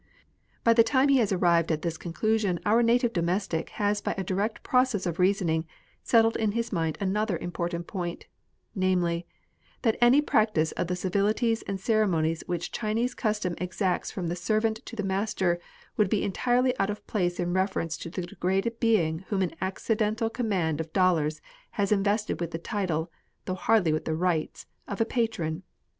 By the time he has arrived at this conclusion our native domestic has by a direct process of reasoning settled in his mind another important point, namely, that any practice of the civilities and ceremonies which Chinese custom exacts from the servant to the master, would be entirely out of place in reference to the degraded being whom an accidental command of dollars has invested with the title, though hardly with the rights, of a patron.